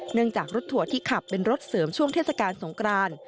เนื่องจากรถทัวร์ที่ขับเป็นรถเสริมช่วงเทศกาลสงคราน